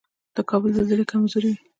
د کابل زلزلې کمزورې وي